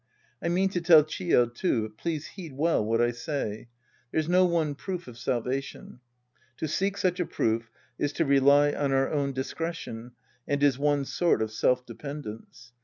I mean to tell Chi5, too, but please heed well what I say. There's no one proof of salvation. To seek such a proof is to rely on our own discretion and is one sort of self dependence.